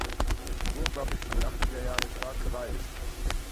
Die Burg war bis in die Achtziger Jahre stark bewaldet.